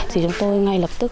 thì chúng tôi ngay lập tức